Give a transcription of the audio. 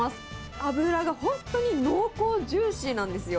脂が本当に濃厚ジューシーなんですよ。